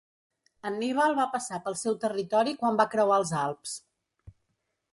Anníbal va passar pel seu territori quan va creuar els Alps.